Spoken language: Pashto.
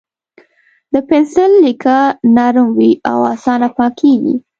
د پنسل لیکه نرم وي او اسانه پاکېږي.